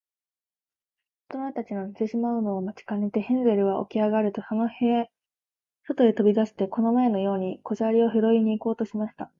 おとなたちの寝てしまうのを待ちかねて、ヘンゼルはおきあがると、そとへとび出して、この前のように小砂利をひろいに行こうとしました。